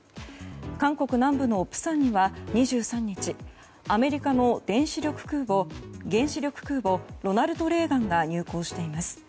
韓国南部の釜山には２３日アメリカの原子力空母「ロナルド・レーガン」が入港しています。